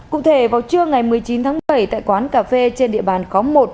cụ thể vào trưa ngày một mươi chín tháng bảy tại quán cà phê trên địa bàn khóm một